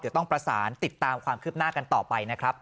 เดี๋ยวต้องประสานติดตามความคืบหน้ากันต่อไปนะครับ